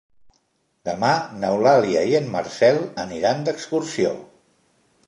Demà n'Eulàlia i en Marcel aniran d'excursió.